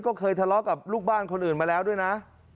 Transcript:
ก็เคยทะเลาะกับลูกบ้านคนอื่นมาแล้วด้วยนะ